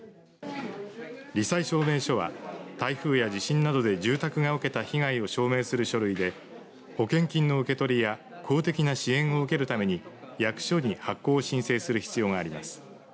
り災証明書は台風や地震などで住宅が受けた被害を証明する書類で保険金の受け取りや公的な支援を受けるために役所に発行を申請する必要があります。